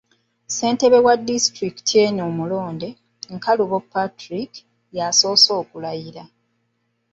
Ssentebe wa disitulikiti eno omulonde, Nkalubo Patrick, y'asoose okulayira.